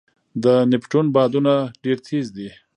د نیپټون بادونه ډېر تېز دي.